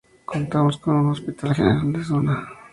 Contamos con un Hospital General de Zona.